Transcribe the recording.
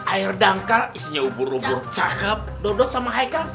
air dangkal isinya ubur ubur cakep dodot sama haikal